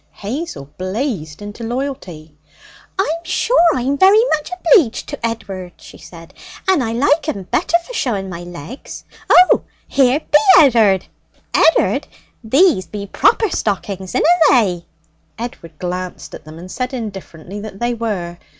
Hazel blazed into loyalty. 'I'm sure I'm very much obleeged to Ed'ard,' she said, 'and I like 'em better for showing my legs. Oh, here be Ed'ard! Ed'ard, these be proper stockings, inna they?' Edward glanced at them, and said indifferently that they were.